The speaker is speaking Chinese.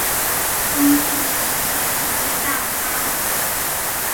中世纪时期城市大幅发展。